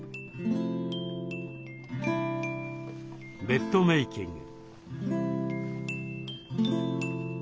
ベッドメーキング。